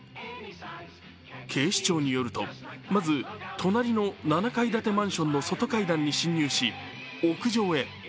警視庁によると、まず隣の７階建てマンションの外階段に侵入し、屋上へ。